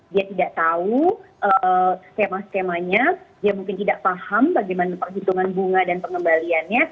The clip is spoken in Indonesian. dia tidak tahu skema skemanya dia mungkin tidak paham bagaimana perhitungan bunga dan pengembaliannya